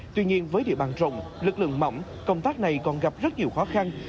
tuy nhiên với địa bàn rộng lực lượng mỏng công tác này còn gặp rất nhiều khó khăn